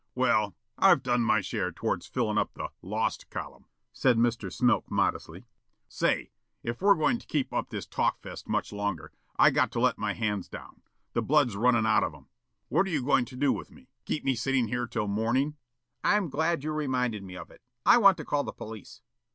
"Well, I've done my share towards fillin' up the 'lost' column," said Mr. Smilk modestly. "Say, if we're going to keep up this talkfest much longer, I got to let my hands down. The blood's runnin' out of 'em. What are you goin' to do with me? Keep me sittin' here till morning?" "I'm glad you reminded me of it. I want to call the police."